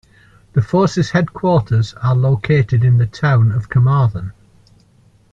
The force's headquarters are located in the town of Carmarthen.